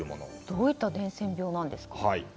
どういった伝染病なんですか？